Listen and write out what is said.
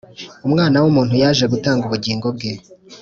Umwana w’umuntu yaje gutanga ubugingo bwe